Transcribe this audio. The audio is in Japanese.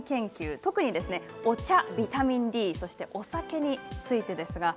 特にお茶ビタミンＤ、お酒についてです。